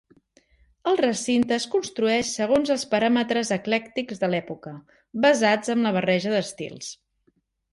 El recinte es construeix segons els paràmetres eclèctics de l'època, basats amb la barreja d'estils.